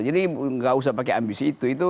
jadi gak usah pakai ambisi itu